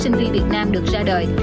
sinh viên việt nam được ra đời